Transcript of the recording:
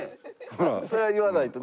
それは言わないとね。